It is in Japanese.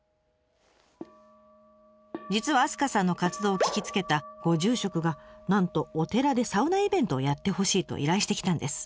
実は明日香さんの活動を聞きつけたご住職がなんとお寺でサウナイベントをやってほしいと依頼してきたんです。